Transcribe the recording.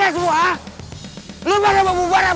lo baru mau bubar apa lo mau diajar ah